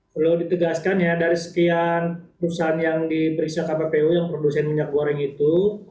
perlu ditegaskan ya dari sekian perusahaan yang diperiksa kppu yang produsen minyak goreng itu